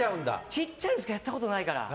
ちっちゃいのしかやったことないから。